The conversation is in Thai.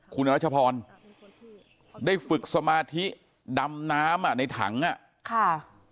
คุณรัชพรได้ฝึกสมาธิดำน้ำอ่ะในถังอ่ะค่ะ